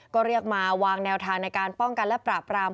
ก็เรียกมาวางแนวทางในการป้องกันและปราบราม